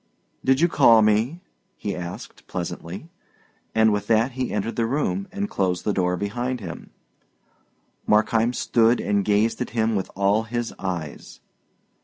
"Did you call me?" he asked, pleasantly, and with that he entered the room and closed the door behind him. Markheim stood and gazed at him with all his eyes.